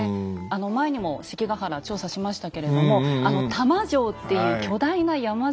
前にも関ヶ原調査しましたけれども「玉城」っていう巨大な山城が見つかって。